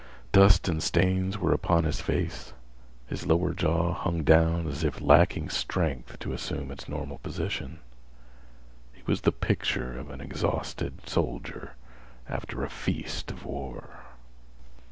Dust and stains were upon his face. His lower jaw hung down as if lacking strength to assume its normal position. He was the picture of an exhausted soldier after a feast of war.